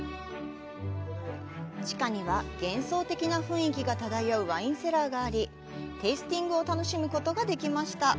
地下には幻想的な雰囲気が漂うワインセラーがありテイスティングを楽しむことができました。